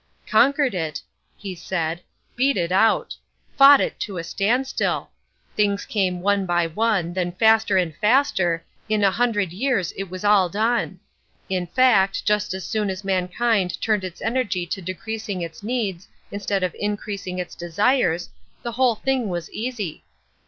"Conquered it," he said, "beat it out! Fought it to a standstill! Things came one by one, then faster and faster, in a hundred years it was all done. In fact, just as soon as mankind turned its energy to decreasing its needs instead of increasing its desires, the whole thing was easy.